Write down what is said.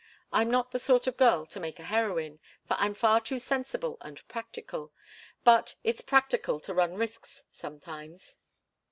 I'm not the sort of girl to make a heroine, for I'm far too sensible and practical. But it's practical to run risks sometimes."